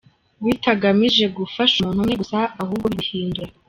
bitagamije gufasha umuntu umwe gusa ahubwo bihindura